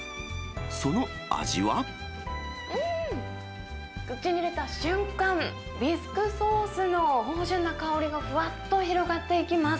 うーん、口に入れた瞬間、ビスクソースの芳じゅんな香りがふわっと広がっていきます。